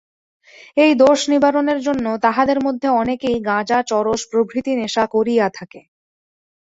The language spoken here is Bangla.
এই দোষ-নিবারণের জন্য তাহাদের মধ্যে অনেকেই গাঁজা, চরস প্রভৃতি নেশা করিয়া থাকে।